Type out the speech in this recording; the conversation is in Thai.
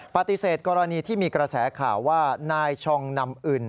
ปฏิเสธกรณีที่มีกระแสข่าวว่านายชองนำอึน